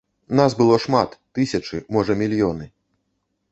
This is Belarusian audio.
Нас было шмат, тысячы, можа, мільёны.